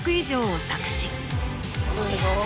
すごい。